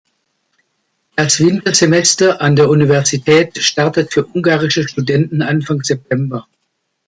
Das Wintersemester an der Universität startet für ungarische Studenten Anfang September.